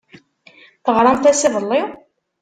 Teɣramt-as iḍelli?